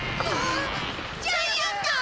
ジャイアンだ！